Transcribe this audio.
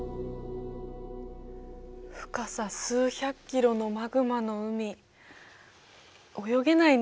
深さ数百キロのマグマの海泳げないね。